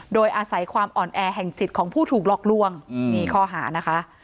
โดยอาศัยความอ่อนแอแห่งจิตของผู้ถูกหลอกลวงนี่ข้อหานะคะ